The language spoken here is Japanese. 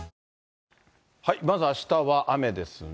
まずあしたは雨ですね。